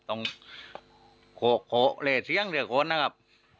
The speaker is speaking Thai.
ต้องโขเล่เชี่ยงเดี๋ยวค้นนะครับ